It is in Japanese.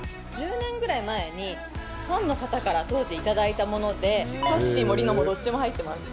１０年ぐらい前に、ファンの方から当時、頂いたもので、さっしーも莉乃もどっちも入っています。